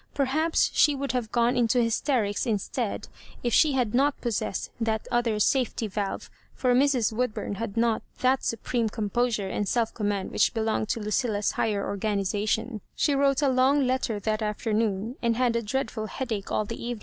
Perhaps she would have gone into hysterics instead if she bad not possessed that other safety valve, fox Mfbl Woodbum had not that supreme composure and self command which belongEKl to LuciUa's higfaer organisation. She wrote a long letter that after noon, and had a dreadful headache all the even